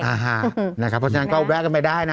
นะฮะนะครับเพราะฉะนั้นก็แวะกันไปได้นะ